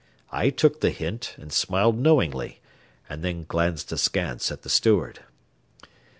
I took the hint and smiled knowingly, and then glanced askance at the steward.